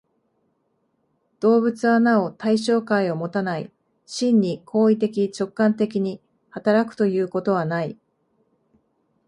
動物はなお対象界をもたない、真に行為的直観的に働くということはない。